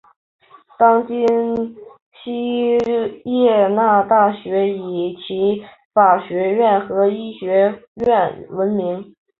当今锡耶纳大学以其法学院和医学院闻名。